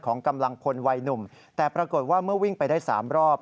กำลังพลวัยหนุ่มแต่ปรากฏว่าเมื่อวิ่งไปได้๓รอบ